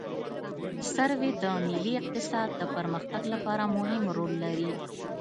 سروې د ملي اقتصاد د پرمختګ لپاره مهم رول لري